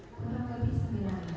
kurang lebih sembilan hari